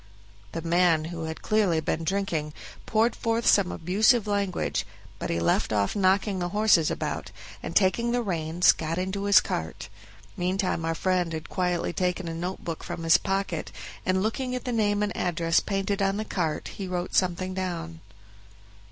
The man, who had clearly been drinking, poured forth some abusive language, but he left off knocking the horses about, and taking the reins, got into his cart; meantime our friend had quietly taken a note book from his pocket, and looking at the name and address painted on the cart, he wrote something down.